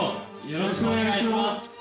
よろしくお願いします！